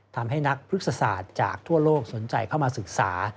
ทำให้นักพฤกษศาสตร์จากทั่วโลกสนใจเข้ามาศึกษา